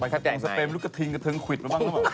ตรงสเปมลูกกระทิงกระทึงขวิดหรือบ้าง